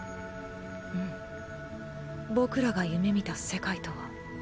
うん僕らが夢見た世界とは違ったよ。